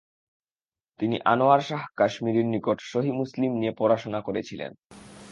তিনি আনোয়ার শাহ কাশ্মিরির নিকট সহিহ মুসলিম নিয়ে পড়াশোনা করেছিলেন।